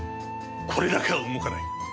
これだけは動かない。